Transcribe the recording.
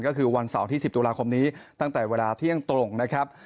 ก็คือวันเสาร์ที่๑๐ตุลาคมนี้ตั้งแต่เวลาเที่ยงตรงนะครับ